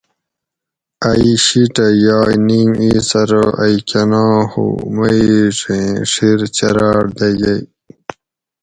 ائی شیٹہ یائے نیم ایس ارو ائے کناں ہو مئیڛیں ڄھیر چراۤڈ دہ یئی